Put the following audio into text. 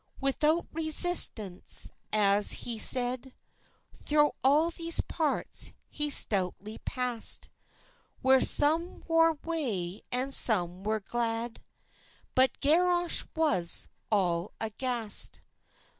Without resistans, as he said, Throw all these parts he stoutly past, Where sum war wae, and sum war glaid, But Garioch was all agast.